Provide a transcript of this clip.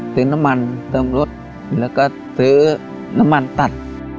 ซื้อน้ำมันเติมรถแล้วก็ซื้อน้ำมันตัด